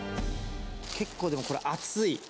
結構でもこれ、熱い。